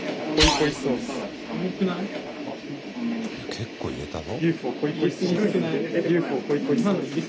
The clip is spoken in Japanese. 結構入れたぞ。